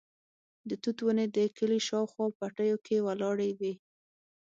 د توت ونې د کلي شاوخوا پټیو کې ولاړې وې.